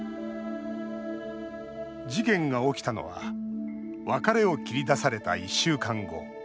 事件が起きたのは別れを切り出された１週間後。